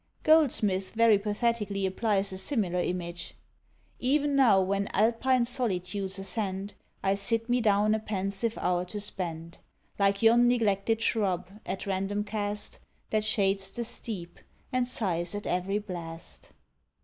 Goldsmith very pathetically applies a similar image: E'en now where Alpine solitudes ascend, I sit me down a pensive hour to spend, Like yon neglected shrub at random cast, That shades the steep, and sighs at every blast.